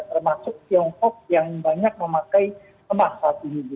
termasuk tiongkok yang banyak memakai emas saat ini